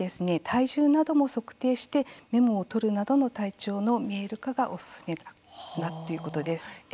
体重なども測定してメモを取るなどの体調の見える化がおすすめだとのことです。